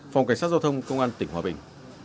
phòng cảnh sát giao thông công an tỉnh hòa bình